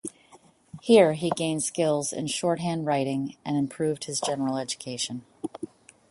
Here he gained skills in shorthand writing, and improved his general education.